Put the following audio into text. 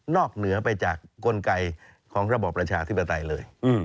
อกเหนือไปจากกลไกของระบอบประชาธิปไตยเลย